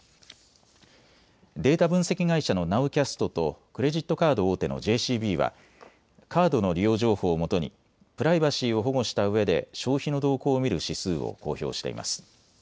データ分析会社のナウキャストとクレジットカード大手のＪＣＢはカードの利用情報をもとにプライバシーを保護したうえで消費の動向を見る指数を公表しています。